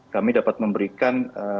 kami dapat memberikan